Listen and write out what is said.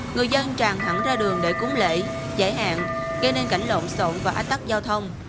người dân tràn hẳn ra đường để cúng lễ giải hạn gây nên cảnh lộn xộn và ách tắc giao thông